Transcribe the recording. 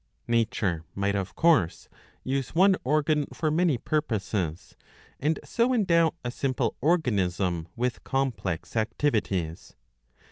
"' Nature might, of course, use one organ for many purposes, and so endow a simple organism with complex activities.